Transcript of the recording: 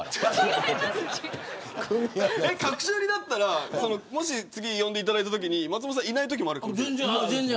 隔週になったらもし次、呼んでいただいたときに松本さんがいないこともある。